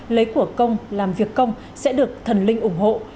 lấy của công làm việc công sẽ được thần linh ủng hộ